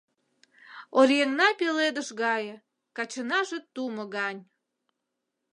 Оръеҥна пеледыш гае, качынаже тумо гань.